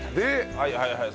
はいはいはい